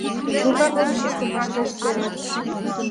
Могай обчествым ышташ сӧрат?